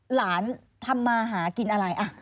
หลานทำมาหากินอะไร